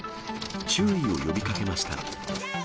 注意を呼びかけました。